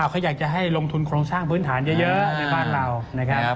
เขาอยากจะให้ลงทุนโครงสร้างพื้นฐานเยอะในบ้านเรานะครับ